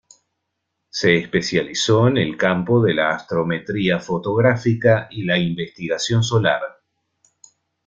Se especializó en el campo de la astrometría fotográfica y la investigación solar.